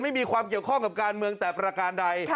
ไม่มีความเกี่ยวข้องแก่ประการใด